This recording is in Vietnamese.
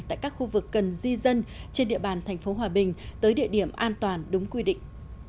tại các khu vực cần di dân trên địa bàn thành phố hòa bình tới địa điểm an toàn đúng quy định